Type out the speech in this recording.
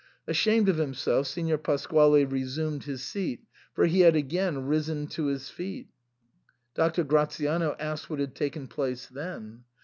Ashamed of himself, Signor Pasquale resumed his seat, for he had again risen to his feet. Doctor Gratiano asked what had taken place then.